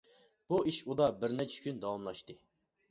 بۇ ئىش ئۇدا بىر نەچچە كۈن داۋاملاشتى.